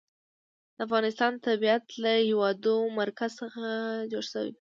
د افغانستان طبیعت له د هېواد مرکز څخه جوړ شوی دی.